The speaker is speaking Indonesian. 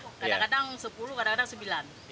kadang kadang sepuluh kadang kadang sembilan